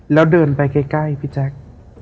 แล้วเดินไปใกล้พี่แจ๊ค